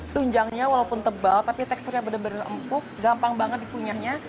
tunjangnya walaupun tebal tapi teksturnya benar benar empuk gampang banget dikunyahnya